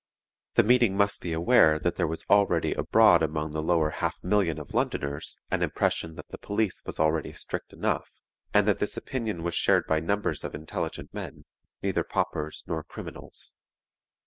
The meeting must be aware that there was already abroad among the lower half million of Londoners an impression that the police was already strict enough and that this opinion was shared by numbers of intelligent men, neither paupers nor criminals.